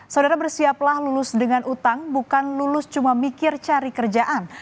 saudara bersiaplah lulus dengan utang bukan lulus cuma mikir cari kerjaan